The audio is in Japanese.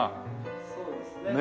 そうですね。